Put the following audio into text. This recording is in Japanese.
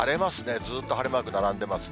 ずっと晴れマーク並んでますね。